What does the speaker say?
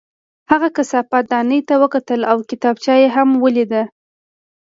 هغه کثافت دانۍ ته وکتل او کتابچه یې هم ولیده